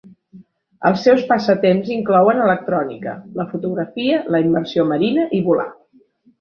Els seus passatemps inclouen l'electrònica, la fotografia, la immersió marina i volar.